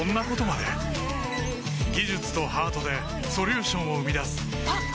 技術とハートでソリューションを生み出すあっ！